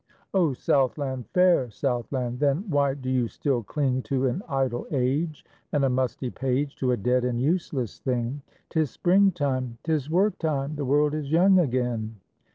O Southland, fair Southland! Then why do you still cling To an idle age and a musty page, To a dead and useless thing? 'Tis springtime! 'Tis work time! The world is young again!